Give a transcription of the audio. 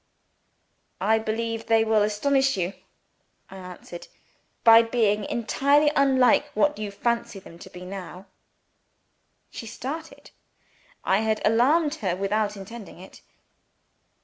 "I believe they will astonish you," I answered, "by being entirely unlike what you fancy them to be now." She started. I had alarmed her without intending it.